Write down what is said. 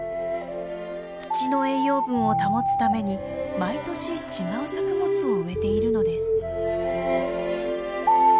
土の栄養分を保つために毎年違う作物を植えているのです。